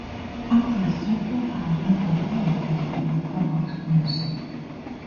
It was temporarily removed from the public space.